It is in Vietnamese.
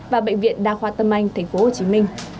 và bệnh viện đa khoa tâm anh tp hcm